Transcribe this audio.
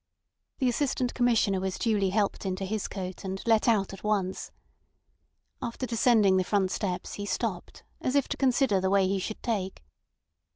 The Assistant Commissioner was duly helped into his coat, and let out at once. After descending the front steps he stopped, as if to consider the way he should take.